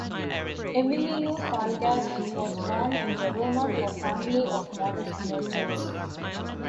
Emilio Salgari was born in Verona to a family of modest merchants.